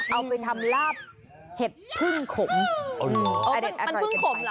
เอาไปทำลาบเห็ดพึ่งขมอ๋อมันพึ่งขมเหรอ